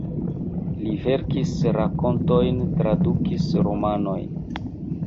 Li verkis rakontojn, tradukis romanojn.